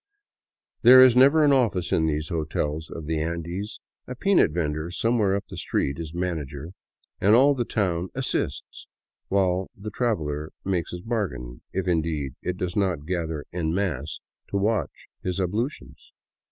There is never an office in these hotels of the Andes. A peanut vendor somewhere up the street is manager, and all the town " assists " while the traveler makes his bargain, if, indeed, it does not gather en masse to watch his ablutions.